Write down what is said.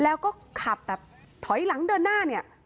แล้วก็ขับแบบถอยหลังเดินหน้าเนี่ย